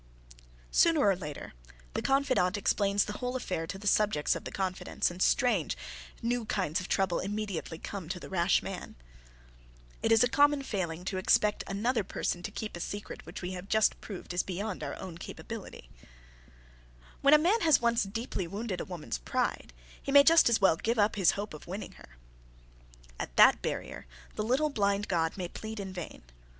Sooner or later, the confidante explains the whole affair to the subjects of the confidence and strange, new kinds of trouble immediately come to the rash man. It is a common failing to expect another person to keep a secret which we have just proved is beyond our own capability. [Sidenote: The Adamantine Fortress] When a man has once deeply wounded a woman's pride, he may just as well give up his hope of winning her. At that barrier, the little blind god may plead in vain.